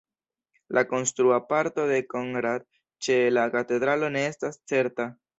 La konstrua parto de Konrad ĉe la katedralo ne estas certa.